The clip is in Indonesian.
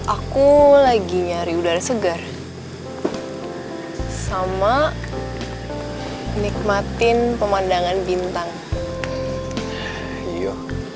aku lagi nyari udara segar sama nikmatin pemandangan bintang